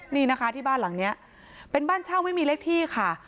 นี่นะคะที่บ้านหลังนี้เป็นบ้านเช่าไม่มีเลขที่ค่ะ